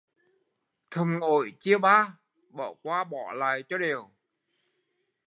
Thùng ổi chia ba, bỏ qua bỏ lại cho đều